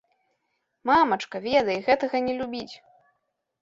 Мамачка, ведай, гэтага не любіць.